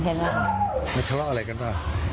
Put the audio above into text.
มาทะเลาะอะไรกันป่ะ